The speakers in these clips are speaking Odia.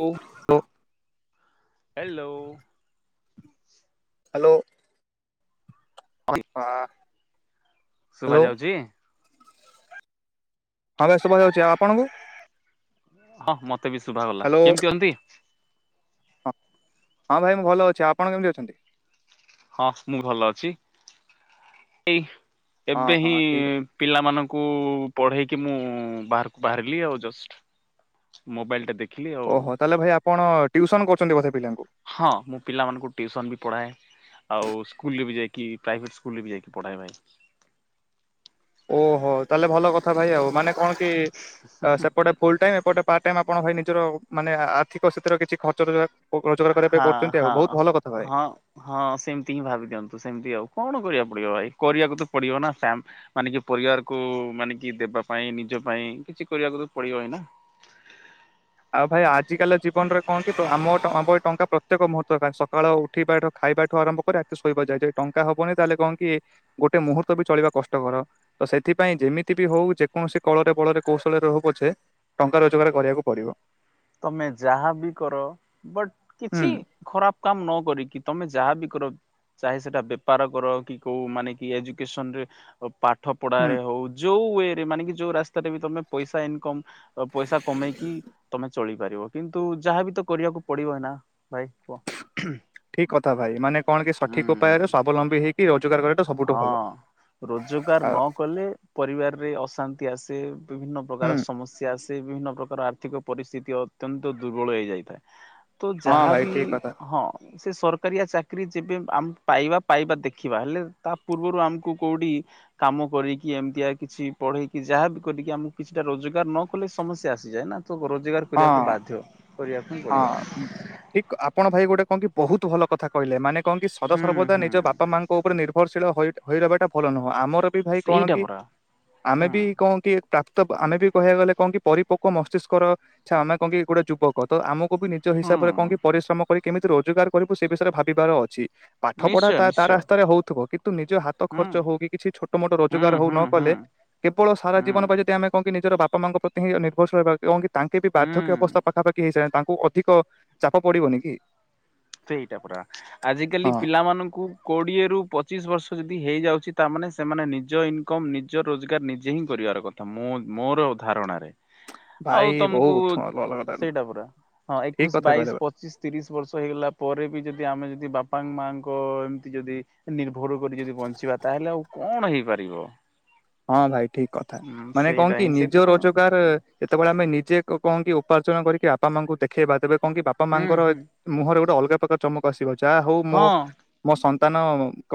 Hello hello. [inaudible] ପା ଶୁଭ ଯାଉଛି। ହଁ ଭାଇ ସୁଭା ଯାଉଚି ଆଉ ଆପଣଙ୍କୁ? ହଁ ମତେ ବି ଶୁଭା ଗଲା ହ୍ୟାଲୋ କେମତି ଅନ୍ତି। ହଁ ଭାଇ ମୁଁ ଭଲ ଅଛି ଆପଣ କେମିତି ଅଛନ୍ତି? ହଁ ମୁଁ ଭଲ ଅଛି ଏଇ ହଁ ଏବେ ହିଁ ହଁ ଠିକ୍ ଅଛି। ପିଲାମାନଙ୍କୁ ପଢେଇକି ମୁଁ ବାହାରକୁ ବାହାରିଲି ଆଉ ଜଷ୍ଟ ମୋବାଇଲ ଟା ଦେଖି ଓହୋ ତାହେଲେ ଭାଇ ଆପଣ ଟିଉସନ କରୁଚନ୍ତି ବୋଧେ ପିଲାଙ୍କୁ? ହଁ, ମୁଁ ପିଲାମାନଙ୍କୁ ଟିଉସନ୍ ବି ପଢ଼ାଏ। ଆଉ ସ୍କୁଲରେ ବି ଯାଇକି ପ୍ରାଇଭେଟ୍ ସ୍କୁଲରେ ବି ଯାଇକି ପଢ଼ାଏ ଭାଇ। ଓହୋ, ତାହେଲେ ଭଲ କଥା ଭାଇ ଆଉ। ମାନେ କଣ କି ସେପଟେ ଫୁଲ ଟାଇମ ଏପଟେ। ପାର୍ଟ ଟାଇମ୍ ଆପଣ ଭାଇ ନିଜର ମାନେ ଆର୍ଥିକ ସ୍ଥିତିର କିଛି ଖର୍ଚ ର ହଁ ହଁ। ଯା। [unintelligible] ହଁ ହଁ, ସେମିତି ହିଁ ଭାବି ଦିଅନ୍ତୁ ସେମିତି ଆଉ। କଣ କରିବାକୁ ପଡିବ ଭାଇ କରିବାକୁ ତ ପଡିବ ନା। ସ୍ୟାମ୍। ମାନେ କି ପରିବାରକୁ ମାନେ କି ଦେବା ପାଇଁ, ନିଜ ପାଇଁ କିଛି କରିବାକୁ ତ ପଡିବ ହିଁ ନା। ଆଉ ଭାଇ ଆଜିକାଲି ଜୀବନରେ କଣ କି ଆମ ଆମ ଏଇ ଟଙ୍କା ପ୍ରତ୍ୟେକ ମୁହୂର୍ତ୍ତ କ ସକାଳ ଉ। ଉଠିବାଠୁ ଖାଇବା ଠୁ ଆରମ୍ଭ କରି ରାତି ଶୋଇବା ଯାଏ ଯଦି ଟଙ୍କା ହବନି ତାହେଲେ କନ କି। ଗୋଟେ ମୁହୂର୍ତ୍ତ ବି ଚଳିବା କଷ୍ଟକର। ତ ସେଥିପାଇଁ ଯେମିତି ବି ହଉ ଯେକୌଣସି କଳରେ, ବଳରେ କୌଶଳରେ ହଉ ପଛେ। ଟଙ୍କା ରୋଜଗାର କରିଆକୁ ପଡିବ। ତମେ ଯାହା ବି କର ବଟ୍ ହୁଁ କିଛି। ଖରାପ୍ କାମ୍ ନ କରିକି ତମେ ଯାହାବି କର। ଚାହେସେଟା ବେପାର କର କି କୋଉ ମାନେ କି ଏଜୁକେସନରେ। ପାଠ ହୁଁ ପଢାରେ ହଉ। ଯୋଉ ୱରେ ମାନେ କି ଯୋଉ ରାସ୍ତାରେ ବି ତମେ ପଇସା ଇନକମ୍। ପଇସା କମେଇକି। ତମେ ଚଳିପାରିବ। କିନ୍ତୁ ଯାହାବି ତ କରିବାକୁ ପଡିବ ନା ଭାଇ କୁହ ହୁଁ। ଠିକ୍ କଥା ଭାଇ। ମାନେ କଣ କି ସଠିକ୍ ଉପାୟରେ ସ୍ୱାବଲମ୍ବି ହେଇ। ଏଇ ରୋଜଗାର କରିବା ଟା ସବୁଠୁ ହଁ ଭଲ ରୋଜଗାର ନ ଆଉ। କଲେ ପରିବାରରେ ଅଶାନ୍ତି ଆସେ, ବିଭିନ୍ନ ପ୍ରକାର ହୁଁ ସମସ୍ୟା। ଆସେ। ବିଭିନ୍ନ ପ୍ରକାର ଆର୍ଥିକ ପରିସ୍ଥିତି ଅତ୍ୟନ୍ତ ଦୁର୍ବଳ ହେଇଯାଇଥାଏ। ତୁ ହଁ ଯାହା ଭାଇ ବି ଠିକ କଥା ହଁ। ସେ ସରକାରିଆ ଚାକିରି ଯେବେ ଆମେ ପାଇବା ପାଇବା ଦେଖିବା ହେଲେ। ତା ପୂର୍ବରୁ ଆମକୁ କୋଉଠି। କାମ କରିକି ଏମିତିଆ କିଛି ପଢେଇକି ଯାହାବି କରିକି ଆମକୁ କିଛିଟା ରୋଜଗାର ନ କଲେ ସମସ୍ୟା ଆସିଯାଏ ନା। ତୁ ରୋଜଗାର କରିଆକୁ ହଁ। ବାଧ୍ୟ୍ୟ। ହଁ, ଠିକ୍ ଆପଣ ଭାଇ ଗୋଟେ କଣ କି ବହୁତ୍ ଭଲ କଥା କହିଲେ ମାନେ। କଣ କି ସଦା ହୁଁ ସର୍ବଦା ହୁଁ ନିଜ ବାପା ମା ଙ୍କ ଉପରେ ନିର୍ଭରଶୀଳ ହୋଇ ହୋଇ ରହିବାଟା ଭଲ ନୁହଁ ଆମର। ଭାଇ କଣ ସେଇଟା କି ପରା ଆମେ ହୁଁ ବି କଣ କି। ପ୍ରାପ୍ତ ଆମେ ବି କହିବାକୁ ଗଲେ କଣ କି ପରିପୋକ ମସ୍ତିଷ୍କ ର ଛା ଆମେ କଣ କି ଗୋଟେ ଯୁବକ ତ ଆମକୁ ବି। ନିଜ ହିସାବରେ କଣ ହୁଁ କି ପରିଶ୍ରମ କରି କେମିତି ରୋଜଗାର କରିବୁ ସେ ବିଷୟରେ ଭାବିବାର ଅଛି। ପାଠ ପଢା ନିଶ୍ଚୟ ତା ତା ନିଶ୍ଚୟ ରାସ୍ତାରେ ହଉଥିବ। କିନ୍ତୁ ନିଜ ହାତ ହୁଁ ଖର୍ଚ୍ଚ ହଉ କି କିଛି ଛୋଟ ମୋଟ ହୁଁ ରୋଜଗାର ହଉ ନ ହୁଁ ହୁଁ କଲେ। କେବଳ ସାରା ହୁଁ ଜୀବନ ପାଇଁ ଯଦି ଆମେ କଣ କି ନିଜର ବାପା, ମା ଙ୍କ ପ୍ରତି ହିଁ ନିର୍ଭରଶିଳ ରହିବା କଣ କି ତାଙ୍କେ ବି ବାର୍ଧକ୍ୟ ହୁଁ ଅବସ୍ଥା ପା। କେହି ଚା ତାଙ୍କୁ ଅଧିକ ଚାପ ପଡିବନି କି? ସେଇଟା ପରା ଆଜିକାଲି ହଁ ପିଲାମାନଙ୍କୁ। କୋଡ଼ିଏରୁୁ ପଚିଶ ବର୍ଷ ଯଦି ହେଇଯାଉଛି ତାମାନେ ସେମାନେ ନିଜ ଇନକମ୍ ନିଜ ରୋଜଗାର ନିଜେ ହିଁ କରିବାର କଥା। ତ ମୁଁ ମୋର ଧାରଣାରେ। ଆଉ ଭାଇ ତମୁକୁ ବହୁତ ଭଲ କଥା ସେଇଟା ପୁରା ହଁ ଠିକ ଏକୋଇଶ, କଥା କହିଲେ ଭାଇ। ବାଇଶି, ପଚିଶ୍। ତିରିଶ୍ ବର୍ଷ ହେଇଗଲା। ପରେ ବି ଯଦି ଆମେ ଯଦି ବାପାଙ୍କ, ମାଙ୍କ ଏମିତି ଯଦି ନିର୍ଭର କରି ଯଦି ବଞ୍ଚିବା ତାହାଲେ ଆଉ। କଣ ହେଇପାରିବ। ହଁ ଭାଇ ଠିକ୍ କଥା। ହୁଁ ମାନେ କଣ ସେଇଟା କି ହିଁ ନିଜ ସେଥିପାଇଁ ରୋଜଗାର୍। ଯେତେବେଳେ ଆମେ ନିଜେ କଣ କି ଉପାଚନା କରିକି ବାପା ମାଙ୍କୁ ଦେଖେଇବା ତେବେ କଣ କି ବାପା ହୁଁ ମାଙ୍କର। ହୁଁ ମୁହଁରେ ଗୋଟେ ଅଲଗା ପ୍ରକାର ଚମକ ଆସିବ, ଯାହା ହଉ ମୋ ହଁ ମୋ ସନ୍ତାନ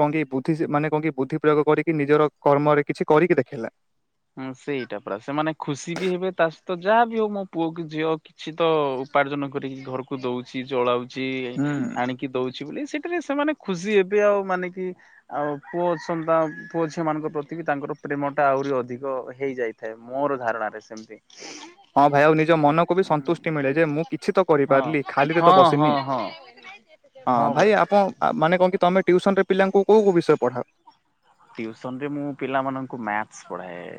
କଣ କି, ବୁଦ୍ଧି ମାନେ କଣ, ବୁଦ୍ଧି ପ୍ରୟୋଗ କରିକି ନିଜର କର୍ମରେ କିଛି କରିକି ଦେଖେଇଲା। ହୁଁ, ସେଇଟା ପରା, ସେମାନେ ଖୁସି ବି ହେବେ। ତା ସହିତ ଯାହାବି ହଉ, ମୋ ପୁଅ କି ଝିଅ କି କିଛି ତ ଉପାର୍ଜନ କରିକି ଘରକୁ ଦଉଛି, ଚଳାଉଛି ହୁଁ ଆଣିକି କି ଦଉଛି ବୋଲି ସେଠାରେ ସେମାନେ ଖୁସି ହେବେ। ଆଉ ମାନେ କି ଆଉ ପୁଅ ଅଛନ୍ତା, ପୁଅ ଝିଅ ମାନଙ୍କ ପ୍ରତି ବି ତାଙ୍କର ପ୍ରେମ ଟା ଆହୁରି ଅଧିକ ତ ହେଇ ଯାଇଥାଏ, ମୋର ଧାରଣାରେ ସେମତି। ହଁ, ଭାଇ, ଆଉ ନିଜ ମନକୁ ବି ସନ୍ତୁଷ୍ଟି ମିଳେ, ଯେ ମୁଁ କିଛି ତ ହଁ କରିପାରିଲି, ଖାଲିରେ ତ ହଁ ହଁ ବସିନି। ହଁ ହଁ ହଁ, ପରା ଭାଇ, ଆପଣ ମାନେ କଣ କି, ତମେ ଟିୟୁସନ୍‌ ରେ ପିଲାଙ୍କୁ କୋଉ କୋଉ ବିଷୟ ପଢାଅ? ଟିୟୁସନ୍ ରେ ମୁଁ ପିଲାମାନଙ୍କୁ ମ୍ୟାଥସ୍ ପଢ଼ାଏ,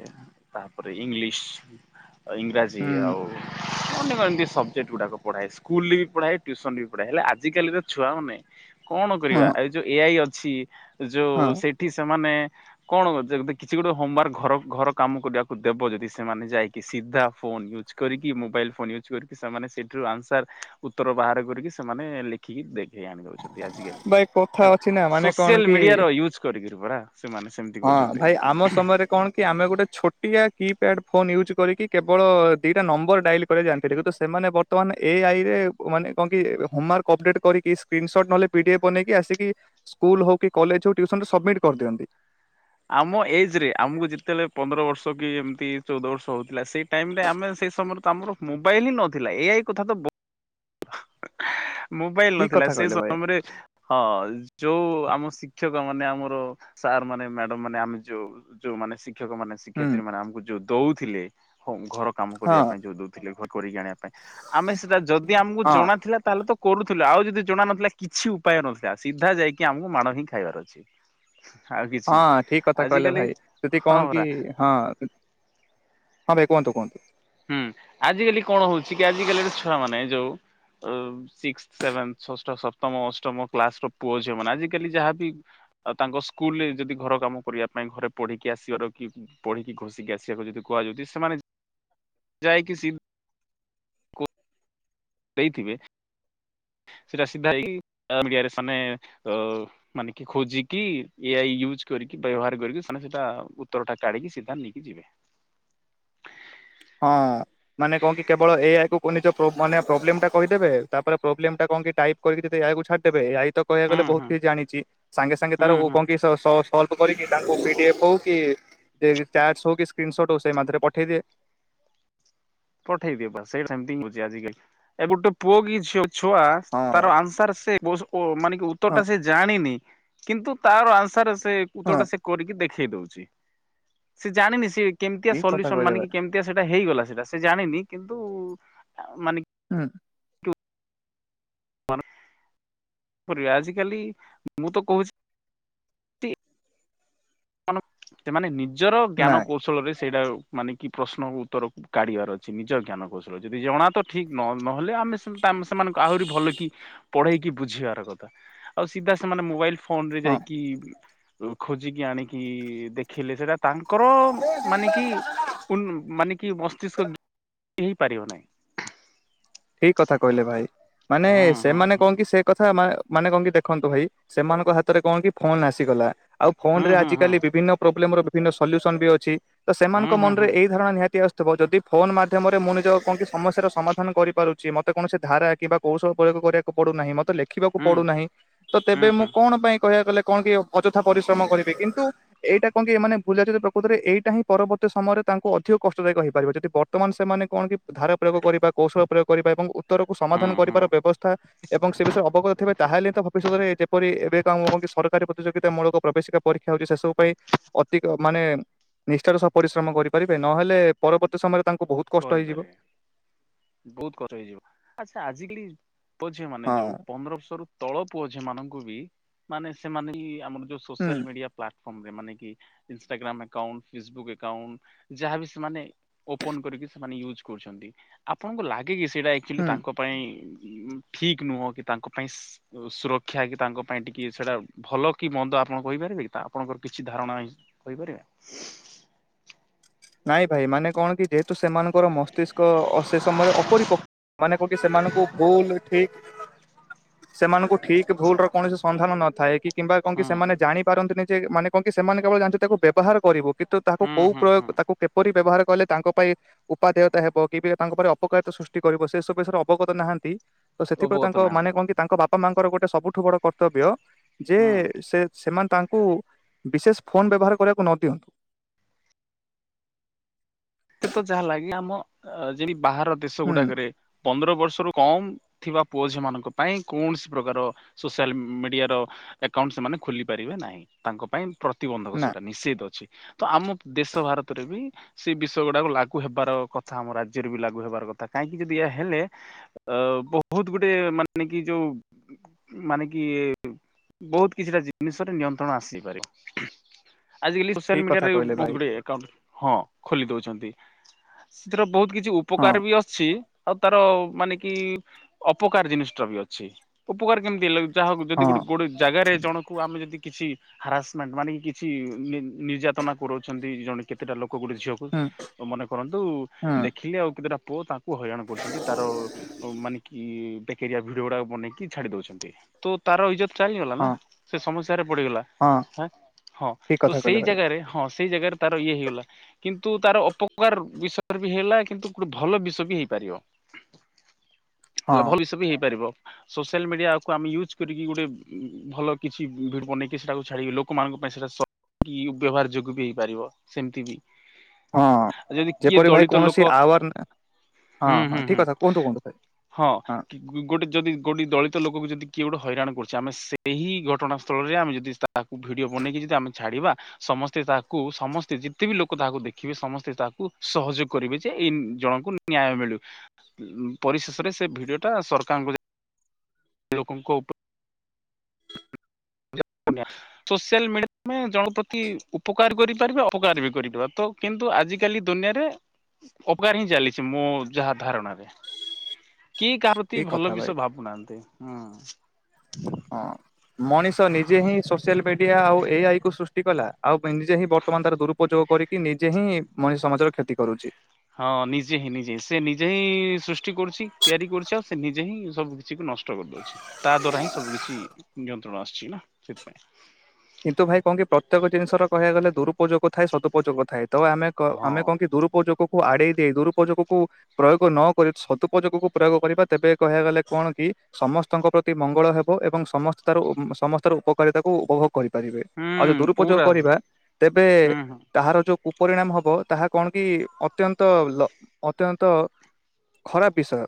ତାପରେ ଇଂଲିସ୍। ଇଂରାଜୀ ହୁଁ ଆଉ [unintelligible] ଏମିତି ସବଜେକ୍ଟ୍ ଗୁଡ଼ାକ ପଢ଼ାଏ, ସ୍କୁଲରେ ବି ପଢ଼ାଏ, ଟ୍ୟୁସନ୍‌ ବି ପଢ଼ାଏ, ହେଲେ ଆଜିକାଲି ର ଛୁଆମାନେ କଣ ହଁ କରିବା, ଏଇ ଯୋଉ ଏ ଆଇ ଅଛି, ଯୋ ହଁ ସେଠି ସେମାନେ କଣ ଯ କିଛି ଗୋଟେ ହୋମାୱାର୍କ, ଘର ଘର କାମ କରିବାକୁ ଦେବ ଯଦି, ସେମାନେ ଯାଇକି ସିଧା ଫୋନ ୟୁଜ୍ କରିକି, ମୋବାଇଲ ଫୋନ ୟୁଜ୍ କରିକି, ସେମାନେ ସେଠରୁ ଆନ୍‌ସାର୍ ଉତ୍ତର ବାହାର କରିକି, ସେମାନେ ଲେଖିକି ଦେଖେଇ ଆଣି ଦଉଛନ୍ତି। ସେମିତି ଆଜି କାଲି ଭାଇ କଥା ହେଲା, ଅଛି ନା ମାନେ କଣ ସୋସିଆଲ୍ କି ମିଡିଆର ୟୁଜ୍ କରିକରି ପରା ସେମାନେ ସେମ୍ ହଁ, ଭାଇ, ଆମ ସମୟରେ କଣ କି, ଆମେ ଗୋଟେ ଛୋ ଛୋଟିଆ କିପ୍ୟାଡ୍ ଫୋନ୍ ୟୁଜ୍ କରିକି, କେବଳ ଦିଇଟା ନମ୍ବରଡାଇଲ କରି ଜାଣିଥିଲି, କିନ୍ତୁ ସେମାନେ ବ ବର୍ତ୍ତମାନ ଏ ଆଇରେ, ମାନେ କଣ କି, ହୋମାର୍କ ଅପଡେଟ୍ କରିକି, ସ୍କ୍ରିନସଟ୍ ନହେଲେ ପି ଡି ଏଫ ବନେଇକି ଆସିକି ସ୍କୁଲ ହଉ କି, କଲେଜ ହଉ, ଟ୍ୟୁସନ୍‌ ରେ ସବମିଟ୍ କରିଦିଅନ୍ତି। ଆମ ଏଜ୍‌ ରେ, ଆମକୁ ଯେତେବେଳେ ପନ୍ଦର ବର୍ଷ କି ଏମିତି ଚଉଦ ବର୍ଷ ହଉଥିଲା, ସେଇ ଟାଇମ୍ ରେ ଆମେ ସେଇ ସମୟରେ ତ ଆମର ମୋବାଇଲ ହିଁ ନଥିଲା, ଏ ଆଇ କଥା ତ ବ ମୋବାଇଲ ଠିକ ନଥିଲା। କଥା ସେ କହିଲେ ଭାଇ ସମୟରେ ହଁ, ଯୋଉ ଆମ ଶିକ୍ଷକ ମାନେ, ଆମର ସାର୍ ମାନେ, ମ୍ୟାଡମ୍ ମାନେ, ଆମେ ଯୋଉ ଯୋଉମାନେ ଶିକ୍ଷକ ମାନେ, ହୁଁ ଶିକ୍ଷୟତ୍ରୀ ମାନେ, ଆମକୁ ଯୋଉ ଦଉଥିଲେ, ଘର କାମ ହଁ କରିବା ପାଇଁ ଯୋଉ ଦଉ ଥିଲେ ଘରୁ କରିକି ଆଣିବା ପାଇଁ। ଆମେ ସେଟା ଯଦି ଆମକୁ ହଁ ଜଣା ଥିଲା, ତାହେଲେ ତ କରୁଥିଲୁ, ଆଉ ଯଦି ଜଣା ନଥିଲା, କିଛି ଉପାୟ ନଥିଲା, ସିଧା ଯାଇକି ଆମକୁ ମାଡ଼ ହିଁ ଖାଇବାର ଅଛି। ଆଉ କିଛି ହଁ, ନାହିଁ ଠିକ୍ କଥା କହିଲେ ଆଜିକାଲି ଭାଇ। ଯଦି ହଁ କଣ କି ପରା ହଁ, ହଁ, ଭାଇ, କୁହନ୍ତୁ, କୁହନ୍ତୁ। ହୁଁ, ଆଜି କାଲି କଣ ହଉଛି କି, ଆଜିକାଲିର ଛୁଆ ମାନେ ଯୋଉ ଅ, ସିକ୍ସ, ସେଭେନ୍‌, ଷଷ୍ଠ, ସପ୍ତମ, ଅଷ୍ଟମ କ୍ଲାସ୍‌ ର ପୁଅଝିଅମାନେ ଆଜିକାଲି ଯାହାବି ଆଉ ତାଙ୍କ ସ୍କୁଲରେ ଯଦି ଘର କାମ କରିବା ପାଇଁ ଘରେ ପଢ଼ିକି ଆସିବାର କି ପଢ଼ିକି, ଘୋଷିକି ଆସିବାକୁ ଯଦି କୁହାଯାଉଛି, ସେମାନେ ଯାଇ କି ସି ଦେଇଥିବେ, ସେଟା ସିଧା ହେଇକି ମିଡିଆରେ ସେମାନେ ଅ-ଅ ମାନେ କି ଖୋଜିକି, ଏ ଆଇ ୟୁଜ୍‌ କରିକି, ବ୍ୟବହାର କରିକି, ସେମାନେ ସେଟା ଉତ୍ତର ଟା କାଢ଼ିକି ସିଧା ନେଇକି ଯିବେ। ହଁ-ଅ -ଅ। ମାନେ କନ କି, କେବଳ ଏ ଆଇ କୁ ନିଜ ପ୍ରୋ ମାନେ ପ୍ରୋବ୍ଲେମ୍ ଟା କହିଦେବେ, ତାପରେ ପ୍ରୋବ୍ଲେମ୍ ଟା କଣ କି, ଟାଇପ୍ କରିକି ଯେତେ ଏ ଆଇ କୁ ଛାଡିଦବେ, ଏ ଆଇ ତ କହିବାକୁ ହୁଁ ଗଲେ ବହୁତ ହୁଁ କିଛି ଜାଣିଛି। ସାଙ୍ଗେ ସାଙ୍ଗେ ତାର ହୁଁ ଓ ହୁଁ। କନ କିସ ସସ ସଲ୍ଭ କରିକି ତାଙ୍କୁ ପିଡିଏଫ୍ ହଉ କି, ଚାଟ୍ ହଉ କି, ସ୍କ୍ରିନ୍ସଟ୍ ହଉ, ସେଇ ମାତ୍ରେ ପଠେଇଦିଏ। ପଠେଇ ଦିଏ, ବାସ୍‌, ସେ ସେମତି ହିଁ ହଉଛି ଆଜିକାଲି। ଏ ଗୋଟେ ପୁଅ କି ଝିଅ ଛୁଆ ହଁ ତାର ଭାଇ ଆନ୍ସାର୍ ସେ, [unintelligible] ମାନେ କି ଉତ୍ତର ଟା ହଁ ସେ ଜାଣିନି, କିନ୍ତୁ ତାର ଆନ୍ସର୍ ସେ ଉତ୍ତର ହଁ ଟା ସେ କରିକି ଦେଖେଇ ଦଉଛି। ସେ ଜାଣିନି ସିଏ କେମିତିଆ ଠିକ କଥା ସଲ୍ୟୁସନ୍‌, କହିଲେ ମାନେ ଭାଇ କେମତି କେମତିଆ ସେଇଟା ହେଇଗଲା, ସେଇଟା ସେ ଜାଣିନି। କିନ୍ତୁ-ଉ-ଉ, ମାନେ ହଁ। ମର ପରି ଆଜିକାଲି ମୁଁ ତ କହୁଛି ମାନ ସେମାନେ ନିଜର ଜ୍ଞାନ ନାଇଁ କୌଶଳରେ ସେଇଟା ମାନେ କି ପ୍ରଶ୍ନ ଉତ୍ତରକୁ କାଢିବାର ଅଛି ନିଜ ଜ୍ଞାନ କୌଶଳରେ ଯଦି ଜଣା ତ ଠିକ୍ ନ ନହେଲେ ଆମେ ସେମାନଙ୍କୁ ଆହୁରି ଭଲ କି ପଢେଇକି ବୁଝିବାର କଥା ଆଉ ସିଧା ସେମାନେ ମୋବାଇଲ ଫୋନ ରେ ହଁ। ଯାଇକି ଖୋଜିକି ଆଣିକି ଦେଖିଲେ ସେଟା ତାଙ୍କର ମାନେ କି ପୁନ ମାନେ କି ମସ୍ତିଷ୍କ ହେଇପାରିବ ନାହିଁ। ଠିକ୍ କଥା କହିଲେ ଭାଇ ମାନେ ହୁଁ ହୁଁ ସେମାନେ ହୁଁ କଣ କି ସେ କଥା ମା ମାନେ କଣ କି ଦେଖନ୍ତୁ ଭାଇ ସେମାନଙ୍କ ହାତରେ କଣ କି ଫୋନ ଆସିଗଲା ଆଉ ଫୋନ ହୁଁ ରେ ଆଜିକାଲି ହୁଁ ବିଭିନ୍ନ ପ୍ରୋବ୍ଲେମ ର ବିଭିନ୍ନ ସଲ୍ୟୁସନ ବି ଅଛି ତ ସେମାନଙ୍କ ହୁଁ ହୁଁ ମନରେ ହୁଁ ଏଇ ଧାରଣା ନିହାତି ଆସୁ ଥିବ ଯଦି ଫୋନ ମାଧ୍ୟମରେ ମୁଁ ନିଜ କଣ କି ସମସ୍ୟାର ସମାଧାନ କରିି ପାରୁଛି ମତେ କୌଣସି ଧାରା କିମ୍ବା କୌଶଳ ପ୍ରୟୋଗ କରିବାକୁ ପଡୁ ନାହିଁ ମତେ ଲେଖିବାକୁ ହୁଁ ପଡୁନାହିଁ ତ ହୁଁ ତେବେ ମୁଁ କଣ ପାଇଁ କହିବାକୁ ଗଲେ କଣ କି ଅଯଥା ପରିଶ୍ରମ କରିବି କିନ୍ତୁ ଏଇଟା କଣ କି ଏମାନେ ଭୁଲ ଯାଉଛନ୍ତି ପ୍ରକୃତରେ ଏଇଟା ହିଁ ପରବର୍ତ୍ତୀ ସମୟରେ ତାଙ୍କୁ ଅଧିକ କଷ୍ଟଦାୟକ ହେଇପାରିବ ଯଦି ବର୍ ବର୍ତ୍ତମାନ ସେମାନେ କଣ କି ଧାରା ପ୍ରୟୋଗ କରିବା କୌଶଳ ପ୍ରୟୋଗ କରିବା ଏବଂ ଉତ୍ତରକୁ ହୁଁ ସମାଧାନ ହୁଁ କରିବାର ବ୍ୟବସ୍ଥା ଏବଂ ସେ ବିଷୟରେ ଅବଗତ ଥିବେ ତାହେଲେ ତ ଭବିଷ୍ୟତରେ ଯେପରି ଏବେ କଣ ଆମର କଣ କି ସରକାରୀ ପ୍ରତିଯୋଗିତାମୂଳକ ପ୍ରବେଶିକା ପରୀକ୍ଷା ହଉଛି ସେ ସବୁ ପାଇଁ ଅଧିକ ମାନେ ନିଷ୍ଠାର ସହ ପରିଶ୍ରମ କରିପାରିବେ ନହେଲେ ପରବର୍ତ୍ତୀ ସମୟରେ ତାଙ୍କୁ ବହୁତ କଷ୍ଟ ହେଇଯିବ। କରିପାରିବେ ବହୁତ ଖର୍ଚ୍ଚ ହେଇଯିବ ଆଚ୍ଛା ଆଜିକାଲି ପୁଅ ଝିଅ ମାନେ ଯୋଉ ହଁ ପନ୍ଦର ବର୍ଷରୁ ତଳ ପୁଅ ଝିଅ ମାନଙ୍କୁ ବି ମାନେ ସେମାନେ ଆମର ଯୋଉ ହୁଁ ସୋସିଆଲ ମିଡିଆ ପ୍ଲାଟଫର୍ମ ରେ ମାନେ କି ଇନ୍ଷ୍ଟାଗ୍ରାମ ଆକାଉଣ୍ଟ ଫେସବୁକ୍ ଆକାଉଣ୍ଟ ଯାହାବି ସେମାନେ ଓପନ କରିକି ସେମାନେ ୟୁଜ କରୁଛନ୍ତି ଆପଣଙ୍କୁ ଲାଗେ କି ସେଇଟା ଆକ୍ଚଲି ହୁଁ ତାଙ୍କ ପାଇଁ ଠିକ୍ ନୁହଁ କି ତାଙ୍କ ପାଇଁ ସ ସୁରକ୍ଷା କି ତାଙ୍କ ପାଇଁ ଟିକେ ସେଇଟା ଭଲ କି ମନ୍ଦ ଆପଣ କହିପାରିବେ କି ତା ଆପଣଙ୍କର କିଛି ଧାରଣା କହିପାରିବେ? ନାଇଁ ଭାଇ ମାନେ କଣ କି ଯେହେତୁ ସେମାନଙ୍କର ମସ୍ତିଷ୍କ ଅଶେଷ ସମୟରେ ଅପରିପକ୍ଷ ମାନେ କୋଉଠି ସେମାନଙ୍କୁ ଭୁଲ ଠିକ ସେମାନଙ୍କୁ ଠିକ ଭୁଲ ର କୌଣସି ସନ୍ଧାନ ନଥାଏ କି କିମ୍ବା କଣ କି ହୁଁ ସେମାନେ ଜାଣି ପାରନ୍ତିନି ଯେ ମାନେ କଣ କି ସେମାନେ କେବଳ ଜାଣିଛନ୍ତି ତାକୁ ବ୍ୟବହାର କରିବୁ କିନ୍ତୁ ତାହାକୁ ହୁଁ କୋଉ ହୁଁ ହୁଁ ପ୍ରୟୋଗ ତାକୁ କିପରି ବ୍ୟବହାର କଲେ ତାଙ୍କ ପାଇଁ ଉପାଦେୟତା ହେବ କିବେ ତାଙ୍କ ଉପରେ ଅପକାରିତା ସୃଷ୍ଟି କରିବ ସେ ସବୁ ବିଷୟରେ ଅବଗତ ନାହାନ୍ତି। ତ ସେଥିପ୍ରତି ଅବଗତ ତାଙ୍କ ନାହାନ୍ତି ମାନେ କଣ କି ତାଙ୍କ ବାପା ମାଙ୍କର ଗୋଟେ ସବୁଠୁ ବଡ କର୍ତ୍ତବ୍ୟ ଯେ ହୁଁ। ସେ ସେମାନେ ତାଙ୍କୁ ବିଶେଷ ଫୋନ ବ୍ୟବହାର କରିବାକୁ ନ ଦିଅନ୍ତୁ। ଏତେ ତ ଯାହା ଲାଗେ ଆମ ଯି ବାହାର ଦେଶ ହୁଁ ଗୁଡାକରେ ପନ୍ଦର ବର୍ଷରୁ କମ୍ ଥିବା ପୁଅ ଝିଅ ମାନଙ୍କ ପାଇଁ କୌଣସି ପ୍ରକାର ସୋସିଆଲ ମିଡିଆର ଏକାଉଣ୍ଟ ସେମାନେ ଖୋଲି ପାରିବେ ନାହିଁ ତାଙ୍କ ପାଇଁ ପ୍ରତିବନ୍ଧକ ନା ସେଇଟା ନିଷେଧ ଅଛି ତ ଆମ ଦେଶ ଭାରତରେ ବି ସେ ବିଷ ଗୁଡାକ ଲାଗୁ ହେବାର କଥା ଆମ ରାଜ୍ୟରେ ବି ଲାଗୁ ହେବାର କଥା କାହିଁକି ଯଦି ଏହା ହେଲେ ଅ ବହୁତ ଗୁଡେ ମାନେ କି ଯୋଉ ମାନେ କି ବହୁତ କିଛିଟା ଜିନିଷରେ ନିୟନ୍ତ୍ରଣ ଆସିପାରେ ଆଜାକାଲି ସୋସିଆଲ ଠିକ କଥା ମିଡିଆରେ କହିଲେ ବହୁତ ଭାଇ ଗୁଡେ ଏକାଉଣ୍ଟ ହଁ ଖୋଲି ଦଉ ଛନ୍ତି ସେଥିର ବହୁତ କିଛି ହଁ ଉପକାର ବି ଅଛି ଆଉ ତାର ମାନେ କି ଅପକାର ଜିନିଷ ଟା ବି ଅଛି ଉପକାର କେମିତି ହେଲା ଯାହାକୁ ଯଦି ହଁ ଗୋଟେ ଗୋଟେ ଜାଗାରେ ଜଣକୁ ଆମେ ଯଦି କିଛି ହାରାସମେଣ୍ଟ ମାନେ କି କିଛି ନିର୍ଯାତନା କରଉଛନ୍ତି ଜଣେ କେତେଟା ଲୋକ ଗୋଟେ ଝିଅକୁ ହୁଁ ମନେ କରନ୍ତୁ ହୁଁ ଦେଖିଲି ଆଉ କେତେଟା ପୁଅ ତା କୁ ହଇରାଣ କରୁଛନ୍ତି ତାର ମାନେ କି ବେକରିଆ ଭିଡିଓରା ବନେଇକି ଛାଡି ଦଉଚନ୍ତି। ତୁ ତାର ଇଜ୍ଜତ ଚାଲିଗଲା ନା ହଁ ସେ ସମସ୍ୟରେ ପଡିଗଲା। ହଁ ଆଁ ହଁ ଠିକ ତୁ କଥା ସେଇ କହିଲେ ଭାଇ ଜାଗାରେ ହଁ ସେଇ ଜାଗାରେ ତାର ଇଏ ହେଇଗଲା। ତୁ ତାର ଅପକାର ବିଷୟରେ ବି ହେଲା କିନ୍ତୁ ଗୋଟେ ଭଲ ବିଷୟ ବି ହେଇପାରିବ। ହଁ। ହେଲେ ଭଲ ବି ସବୁ ହେଇପାରିବ। ସୋସିଆଲ ମିଡିଆକୁ ଆମେ ୟୁଜ କରିକି ଗୋଟେ ଭଲ କିଛି ଭିଡି ବନେଇକି ଛାଡି ଲୋକ। ଲୋକମାନଙ୍କ ପାଇସାଟା ସକି ବ୍ୟବହାର ଯୋଗ ବି ହେଇପାରିବ ସେମିତି ବି? ହଁ ଯଦି କିଏ ଯେପରି ଭାଇ ଦଳିତ କୌଣସି ଲୋକ ଆୱାର ହଁ ହୁଁ ହଁ ହୁଁ ଠିକ ହୁଁ। କଥା କୁହନ୍ତୁ କୁହନ୍ତୁ ଭାଇ ହଁ। ଗୋଟେ ଯଦି ଗୋଟେ ଦଳିତ ଲୋକକୁ ଯଦି କିଏ ଗୋଟେ ହଇରାଣ କରୁଚି ଆମେ ସେହି ଘଟଣାସ୍ଥଳରେ ଆମେ ଯଦି ସ୍ତା ତାକୁ ଭିଡିଓ ବନେଇକି ଯଦି ଆମେ ଛାଡିବା ସମସ୍ତେ ତାକୁ ସମସ୍ତେ ଯେତେ ବି ଲୋକ ତାହାକୁ ଦେ ଦେଖିବେ ସମସ୍ତେ ତାକୁ ସହଯୋଗ କରିବେ ଯେ ଏଇ ଜଣଙ୍କୁ ନ୍ୟାୟ ମିଳୁ। ପରିଶେଷରେ ସେ ଭିଡିଓ ଟା ସରକାରଙ୍କୁ ଯାଇ ଲୋକଙ୍କ ଉପ ଜାପନିୟାସୋସିଆଲ ମିଡିଆ ପାଇଁ ଜଣ ପ୍ରତି ଉପକାର କରିପାରିବେ ଅପକାର କରିପାରିବ ତ କିନ୍ତୁ ଆଜିକାଲି ଦୁନିଆରେ? ଅପକାର ହିଁ ଚାଲିଛି ମୋ ଯାହା ଧାରଣାରେ। କିଏ କାହା ପ୍ରତି ଠିକ କଥା ଭଲ ଭାଇ ବିଷୟ ଭାବୁନାହାନ୍ତି ହଁ। ହଁ ମଣିଷ ନିଜେ ହିଁ ସୋସିଆଲ ମିଡିଆ ଆଉ ଏଇ ଆଇ କୁ ସୃଷ୍ଟି କି କଲା ଆଉ ବେନିଜେ ହିଁ ବର୍ତ୍ତମାନ ତାର ଦୁରୁପଯୋଗ କରିକି ନିଜେ ହିଁ ମଣିଷ ସମାଜର କ୍ଷତି କରୁଚି। ହଁ ନିଜେ ହିଁ ନିଜେ ହଁ ସେ ନିଜେ ହିଁ ସୃଷ୍ଟି କରୁଛି ତିଆରି କରୁଛି ଆଉ ସେ ନିଜେ ହିଁ ସବୁ କିଛି ନଷ୍ଟ ଷ୍ଟ କରିଦଉଛି ତାତ ନାହିଁ ସବୁ କିଛି ନିୟନ୍ତ୍ରଣ ଆସୁଛି ନା ସେଥିପାଇଁ। କିନ୍ତୁ ଭାଇ କଣ କି ପ୍ରତ୍ୟେକ ଜିନିଷ ର କହିବା ଗଲେ ଦୁରୁପଯୋଗ ଥାଏ ସଦୁପଯୋଗ ଥାଏ ତ ଆମେ କ ଆମେ ହଁ କଣ କି ଦୁରୁପଯୋଗକୁ ଆଡେଇ ଦେଇ ଦୁରୁପଯୋଗକୁ ପ୍ରୟୋଗ ନ କରି ସଦୁପଯୋଗକୁ ପ୍ରୟୋଗ କରିବା ତେବେ କହିବା ଗଲେ କଣ କି? ସମସ୍ତଙ୍କ ପ୍ରତି ମଙ୍ଗଳ ହେବ ଏବଂ ସମସ୍ତ ତାର ସମସ୍ତାର ଉପକାରିତାକୁ ଉପଭୋଗ କରିବେ ଆଉ ଯଦି ହୁଁ ଦୁରୁପଯୋଗ ପୁରା କରିବା ତେବେ ହୁଁ ହୁଁ ତାହାରଯୋଉ କୁପରିଣାମହବ ତାହା କଣକି ଅତ୍ୟନ୍ତ ଲ ଅତ୍ୟନ୍ତ ଖରାପ ବିଷୟ।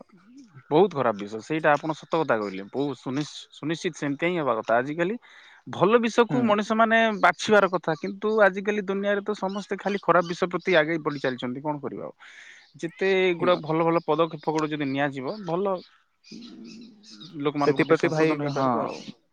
ବହୁତ ଖରାପବିଷୟ ସେଇଟା ଆପଣ ସତକଥା କହିଲେ ବହୁତ ସୁନି ସୁନିଶ୍ଚିତ ସେମିତିହିଁ ହବାକଥା ଆଜିିକାଲି ହୁଁ ଭଲବିଷୟକୁୁ ମଣିଷ ସେମାନେ ବାଛିବାର କଥା କିନ୍ତୁ ଆଜିକାଲି ଦୁନିଆରେ ତ ସମସ୍ତେ ଖାଲି ଖରାପ ବିଷୟ ପ୍ରତି ଆଗେଇ ବଢ଼ି ଚାଲିଚନ୍ତି କଣ କରିବା ଆଉ। ଯେତେ ଠିକ ଏଗୁଡା ଅଛି। ଭଲ ଭଲ ପଦକ୍ଷେପ ଗୁଡା ଯଦି ନିଆଯିବ ଭଲ। [unintelligible] ସେଥିପ୍ରତି ଭାଇ ସଂଶୋଧନ ହଁ ହେଇପାରିବ ଆଉ।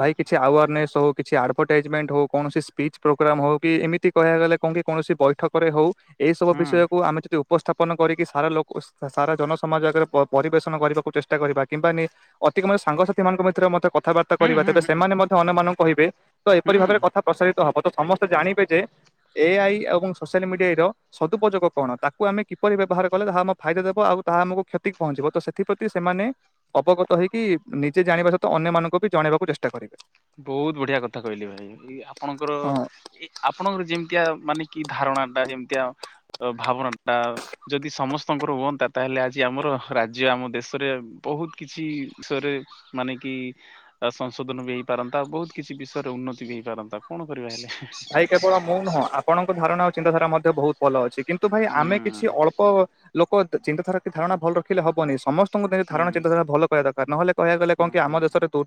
ଭାଇ କିଛି ଆୱାର ନେସ ହଉ। କିଛି ଆଡଭରଟାଇଜମେଣ୍ଟହଉ କୌଣସି ସ୍ପିଚପ୍ରୋଗ୍ରାମହଉ କି ଏମିତି କହିବାକୁ ଗଲେ କଣ କି କୌଣସି ବୈଠକରେହଉ। ଏଇସବୁ ହୁଁ ବିଷୟକୁ ଆମେଯଦୁ। ଉପସ୍ଥାପନ କରିକି ସାରାଲୋକ ସାରାଜନ ସମାଜ ଆଗରେ ପରିବେଷଣ କରିବାକୁ ଚେଷ୍ଟା କରିବା କିମ୍ବା ନେ ଅତିକମ ରେ ସାଙ୍ଗସାଥି ମାନଙ୍କ ଭିତରେ ମଧ୍ୟ କଥାବାର୍ତ୍ତା ହୁଁ କରିବା ହୁଁ ତେବେ ହୁଁ ସେମାନେ ମଧ୍ୟ ଅନ୍ୟମାନଙ୍କୁ କହିବେ ତ ଏପରି ହୁଁ ଭାବରେ କଥା। ପ୍ରସାରିତ ହବ ତ ସମସ୍ତେ ଜାଣିବେ ଯେ ଏଆଇ ଏବଂ ସୋସିଆଲମିଡିଆଇର। ସଦୁପଯୋଗ କଣ ତାକୁ ଆମେ କିପରିବ୍ୟବହାର କଲେ ତାହା ଆମ ଫାଇଦା ଦେବ ଆଉ ତାହା ଆମକୁ କ୍ଷତି ପହଞ୍ଚିବ ତ ସେଥିପ୍ରତି ସେମାନେ ଅବଗତହେଇକି ନିଜେ ଜାଣିବା ସହିତ ଅନ୍ୟ ମାନଙ୍କୁ ବି ଜଣେଇବାକୁ ଚେଷ୍ଟା କରିବେ। ବହୁତ ବଢିଆକଥା କହିଲେ ଭାଇ ଏ ଆପଣଙ୍କର। ହଁ। ଏ ଆପଣଙ୍କର ଯେମିତିଆ ମାନେ କି ଧାରଣା ଟା ଯେମିତିଆ ଭାବନାଟା ଯଦି ସମସ୍ତଙ୍କର ହୁଅନ୍ତା ତାହେଲେ ଆଜି ଆମର ରାଜ୍ୟ ଆମଦେଶରେ ବହୁ କିଛି ବିଷୟରେ। ମାନେ କି ସଂଶୋଧନ ବି ପାରନ୍ତା ଆଉ ବହୁତ କିଛି ବିଷୟରେ ଉନ୍ନତି ବି ହୋଇଇପାରନ୍ତା କଣ କରିବା ହେଲେ। ଭାଇ କେବଳ ମୁଁ ନୁହଁ ଆପଣଙ୍କ ଧାରଣା ଆଉ ଚିନ୍ତାଧାରା ମଧ୍ୟ ବହୁତଭଲ ଅଛି। କିନ୍ତୁ ଭାଇ ହୁଁ ଆମେକିଛି ଅଳ୍ପଲୋକ ଚିନ୍ତାଧାରା କିି ଧାରଣା ଭଲ ରଖିଲେ ହବନି ସମସ୍ତ ସମସ୍ତଙ୍କ ହୁଁ ଧାରଣା ଚିନ୍ତାଧାର ଭଲକରିବା ଦରକାର ନହଲେ କହିବାକୁ ଗଲେ ହୁଁ କଣକି ଆମ ହୁଁ ଦେଶରେ ତୁ